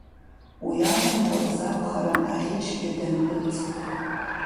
Уи аламҭалаз акәхарын аӷьычгьы дандәылҵ.